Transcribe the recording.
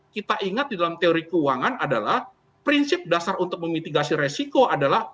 kita ingat di dalam teori keuangan adalah prinsip dasar untuk memitigasi resiko adalah